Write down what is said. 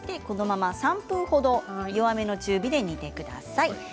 このまま３分ほど弱めの中火で煮てください。